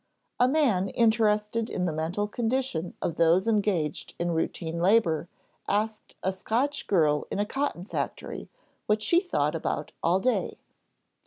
A man interested in the mental condition of those engaged in routine labor asked a Scotch girl in a cotton factory what she thought about all day.